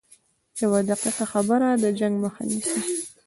یوه دقیقه خبره د جنګ مخه نیسي